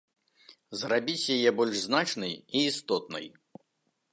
Зрабіць яе больш значнай і істотнай.